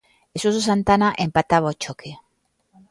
E Suso Santana empataba o choque.